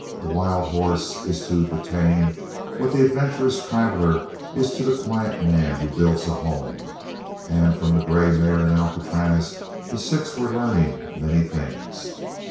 A wild horse is to the tame what the adventurous traveller is to the quiet man who builds a home, and from the grey mare and Alcatraz the six were learning many things.